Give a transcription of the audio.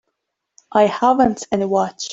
I haven't any watch.